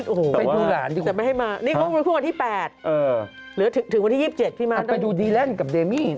โอ้โฮแต่ไม่ให้มานี่คุณคุณคู่วันที่๘หรือถึงวันที่๒๗พี่มันต้องเอาไปดูดีแร่นกับเดมมี่